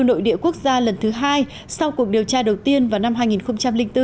nội địa quốc gia năm hai nghìn một mươi bảy